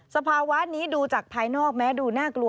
สภาวะนี้ดูจากภายนอกแม้ดูน่ากลัว